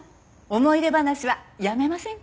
思い出話はやめませんか？